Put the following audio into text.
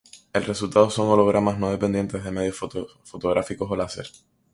El resultado son hologramas no dependientes de medios fotográficos o láser.